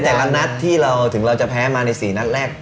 กำลังแต่ละนัดที่เราถึงเราจะแพ้มาในสี่นัดแรก